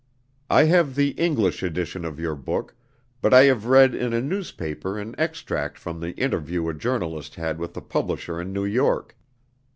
"I have the English edition of your book, but I have read in a newspaper an extract from the interview a journalist had with the publisher in New York.